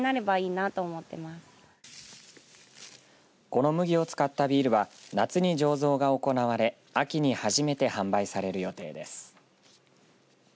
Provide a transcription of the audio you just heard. この麦を使ったビールは夏に醸造が行われ、秋に初めて販売される予定です。